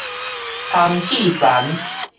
空氣層